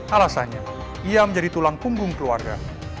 alasannya ia menjadi tulang punggung keluarga